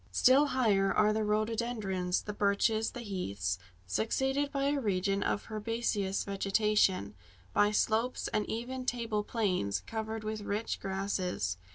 Still higher are the rhododendrons, the birches, and heaths; succeeded by a region of herbaceous vegetation by slopes, and even table plains, covered with rich grasses.